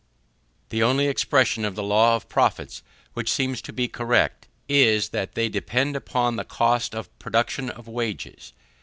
The only expression of the law of profits, which seems to be correct, is, that they depend upon the cost of production of wages.